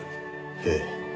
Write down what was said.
ええ。